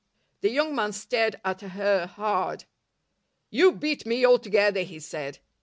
The young man stared at her hard. "You beat me altogether," he said.